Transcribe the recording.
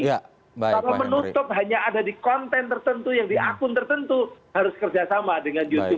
kalau menutup hanya ada di konten tertentu yang di akun tertentu harus kerjasama dengan youtube